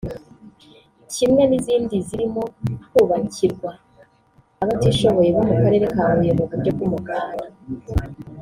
kimwe n’izindi zirimo kubakirwa abatishoboye bo mu Karere ka Huye mu buryo bw’umuganda